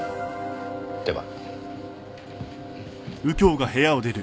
では。